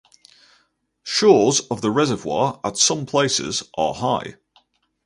Shores of the reservoir at some places are high.